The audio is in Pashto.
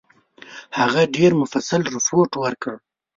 هغه ډېر مفصل رپوټ ورکړ.